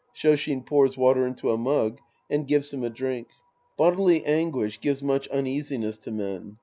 (ShSshin fours water into a mug and gives him a drink.) Bodily anguish gives much uneasiness to men.